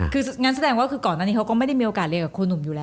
ก็นั่นแสดงว่าก่อนนั้นเขาก็ไม่ได้มีโอกาสเลื่อนกับคุณหนุ่มอยู่แล้ว